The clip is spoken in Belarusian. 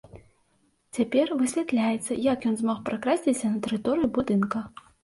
Цяпер высвятляецца, як ён змог пракрасціся на тэрыторыю будынка.